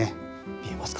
見えますかね？